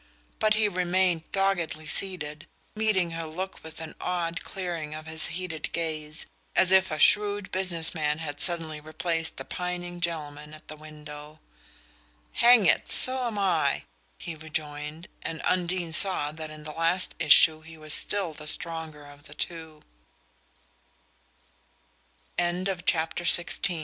But he remained doggedly seated, meeting her look with an odd clearing of his heated gaze, as if a shrewd businessman had suddenly replaced the pining gentleman at the window. "Hang it so am I!" he rejoined; and Undine saw that in the last issue he was still the stronger of the two. XVII Nothing was bitterer to her than to confess to herself the failur